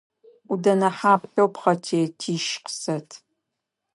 Ӏудэнэ хьаплъэу пхъэтетищ къысэт.